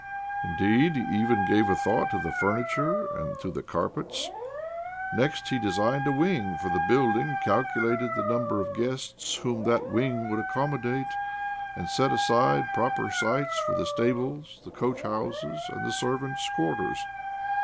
Indeed, he even gave a thought to the furniture and to 6o OBLOMOV the carpets. Next, he designed a wing for the building, calculated the number of guests whom that wing would accommodate, and set aside proper sites for the stables, the coachhouses, and the servants' quarters.